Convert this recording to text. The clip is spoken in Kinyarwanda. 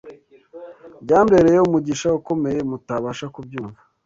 Byambereye umugisha ukomeye mutabasha kubyumva